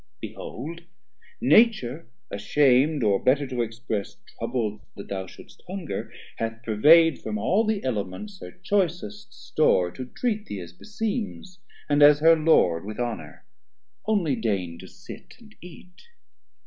behold Nature asham'd, or better to express, Troubl'd that thou should'st hunger, hath purvey'd From all the Elements her choicest store To treat thee as beseems, and as her Lord With honour, only deign to sit and eat.